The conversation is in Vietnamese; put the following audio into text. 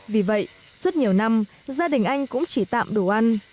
vì vậy suốt nhiều năm gia đình anh cũng chỉ tạm đủ ăn